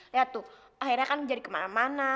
lihat tuh akhirnya kan jadi kemana mana ya